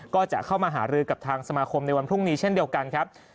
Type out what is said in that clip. ก็จะเข้ามาหารือกับทางสมาคมในวันพรุ่งนี้เช่นเดียวกันครับ